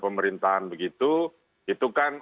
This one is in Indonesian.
pemerintahan begitu itu kan